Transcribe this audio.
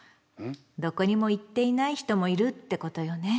どこにも行っていない人もいるってことよね。